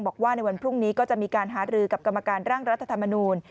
บอกว่าในวันพรุ่งนี้ก็จะมีการหารือกับกรรมการร่างรัฐธรรมนูล